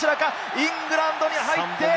イングランドに入った！